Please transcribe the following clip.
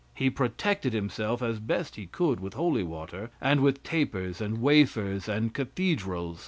He protected himself as best he could with holy water, and with tapers, and wafers, and cathedrals.